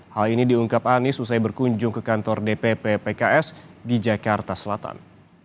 hal ini diungkap anies usai berkunjung ke kantor dpp pks di jakarta selatan